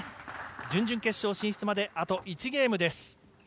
準々決勝進出まであと１ゲームです。